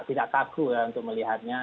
tidak kaku untuk melihatnya